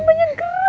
banyaknya gue ya